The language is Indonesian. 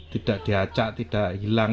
tidak diacak tidak hilang